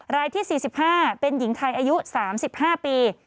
รายที่๔๕เป็นหญิงไทยอายุ๓๕ปี